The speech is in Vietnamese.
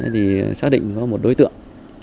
thì xác định có một đối tượng